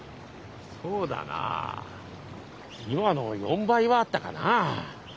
そうだなぁ今の４倍はあったかなぁ。